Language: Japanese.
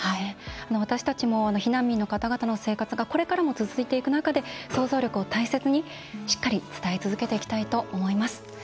私たちも避難民の方々の生活がこれからも続いていく中で想像力を大切に伝え続けていきたいと思います。